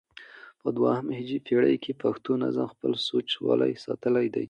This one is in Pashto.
په دوهمه هجري پېړۍ کښي پښتو نظم خپل سوچه والى ساتلى دئ.